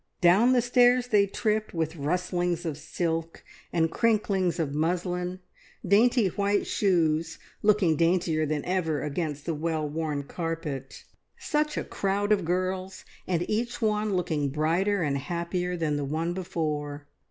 Down the stairs they tripped, with rustlings of silk and crinklings of muslin, dainty white shoes, looking daintier than ever against the well worn carpet. Such a crowd of girls, and each one looking brighter and happier than the one before.